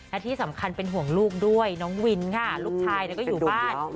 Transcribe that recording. และที่สำคัญเป็นห่วงลูกด้วยน้องวินค่ะลูกชายก็อยู่บ้าน